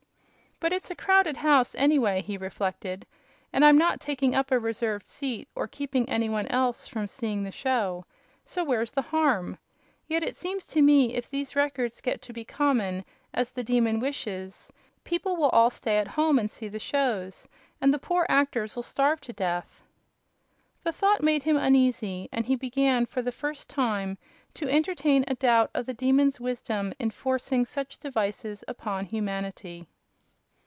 "But it's a crowded house, anyway," he reflected, "and I'm not taking up a reserved seat or keeping any one else from seeing the show. So where's the harm? Yet it seems to me if these Records get to be common, as the Demon wishes, people will all stay at home and see the shows, and the poor actors 'll starve to death." The thought made him uneasy, and he began, for the first time, to entertain a doubt of the Demon's wisdom in forcing such devices upon humanity.